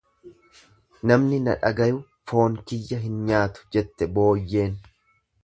Namni na dhagayu foon kiyya hin nyaatu jette booyyeen.